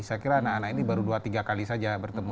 saya kira anak anak ini baru dua tiga kali saja bertemu